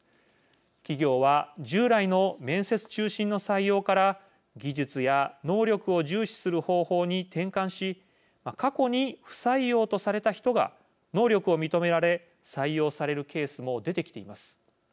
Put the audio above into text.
企業は従来の面接中心の採用から技術や能力を重視する方法に転換し過去に不採用とされた人が能力を認められ採用されるケースも出てきています。